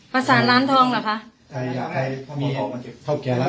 ภาษาล้ำทองเหรอคะ